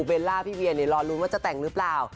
ล่าพี่เวียรอลุ้นว่าจะแต่งหรือเปล่า